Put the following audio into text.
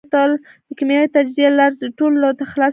د کېمیاوي تجزیې لاره یې ټولو ته خلاصه کړېده.